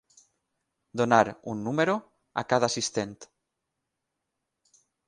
Donar un número a cada assistent.